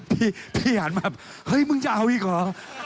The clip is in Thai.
พี่หันมาเฮ้ยมึงจะเอาอีกเหรอ